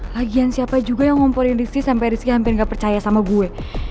lagian siapa juga yang ngomporin rizky sampe rizky hampir gak percaya sama gue